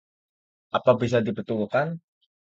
Apa bisa dibetulkan?